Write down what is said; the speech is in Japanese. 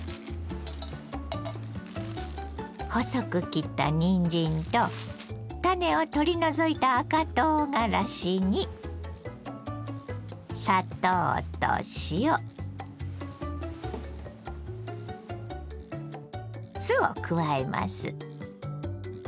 細く切ったにんじんと種を取り除いた赤とうがらしにを加えます。